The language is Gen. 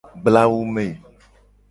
Gbla awu me.